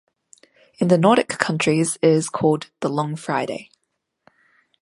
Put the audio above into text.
In the Nordic countries it is called "The Long Friday".